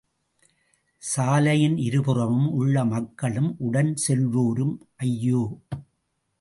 சாலையின் இருபுறமும் உள்ள மக்களும், உடன் செல்வோரும், ஐயோ!